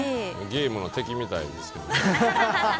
ゲームの敵みたいですが。